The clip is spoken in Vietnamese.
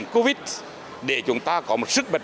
covid để chúng ta có một sức mật